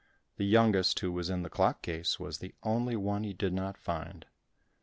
The youngest, who was in the clock case, was the only one he did not find.